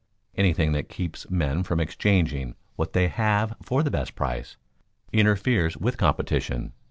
Anything that keeps men from exchanging what they have for the best price, interferes with competition.